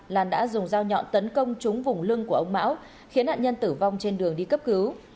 lan đã dùng dao nhọn tấn công trúng vùng lưng của ông mão khiến nạn nhân tử vong trên đường đi cấp cứu